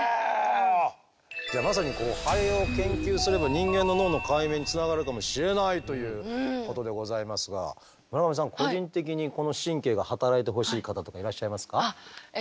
じゃあまさにハエを研究すれば人間の脳の解明につながるかもしれないということでございますが村上さん個人的にこの神経が働いてほしい方とかいらっしゃいますか？